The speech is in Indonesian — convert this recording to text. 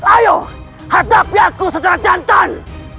ayo hadapi aku secara jantan